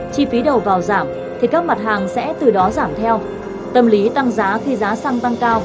chi phí đầu vào giảm thì các mặt hàng sẽ từ đó giảm theo tâm lý tăng giá khi giá xăng tăng cao